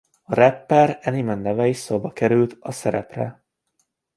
A rapper Eminem neve is szóba került a szerepre.